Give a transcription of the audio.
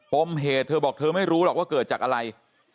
มเหตุเธอบอกเธอไม่รู้หรอกว่าเกิดจากอะไร